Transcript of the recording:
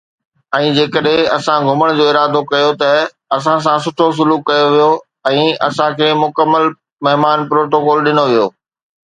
۽ جيڪڏهن اسان گهمڻ جو ارادو ڪيو ته اسان سان سٺو سلوڪ ڪيو ويو ۽ اسان کي مڪمل مهمان پروٽوڪول ڏنو ويو